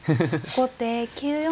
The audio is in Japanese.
後手９四歩。